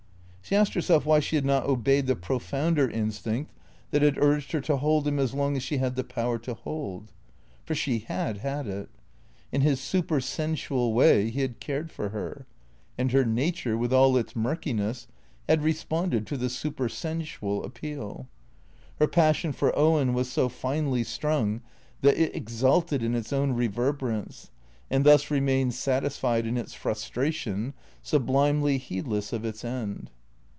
She asked herself why she had not obeyed the profounder in stinct that had urged her to hold him as long as she had the power to hold? For she had had it. In his supersensual way he had cared for her; and her nature, with all its murkiness, had responded to the supersensual appeal. Her passion for Owen was so finely strung that it exulted in its own reverberance, and thus remained satisfied in its frustration, sublimely heedless of its end.